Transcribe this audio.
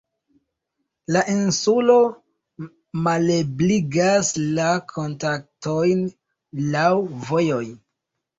La insulo malebligas la kontaktojn laŭ vojoj.